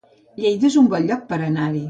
Lleida es un bon lloc per anar-hi